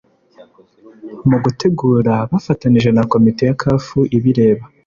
mu gutegura bafatanije na komite ya caf ibireba